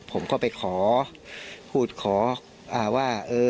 ผมเข้าไปขอพูดขออ่าว่าเออ